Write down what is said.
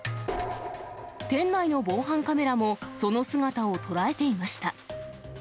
店内の防犯カメラも、その姿を捉えていました。